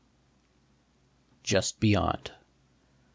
JUST BEYOND.